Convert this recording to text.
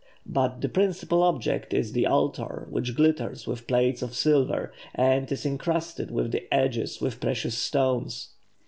But the principal object is the altar, which glitters with plates of silver, and is encrusted about the edges with precious stones.